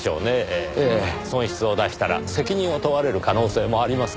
損失を出したら責任を問われる可能性もありますから。